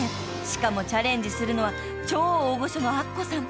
しかもチャレンジするのは超大御所のアッコさん］